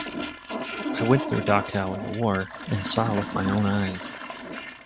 'I went through Dachau in the war and saw with my own eyes.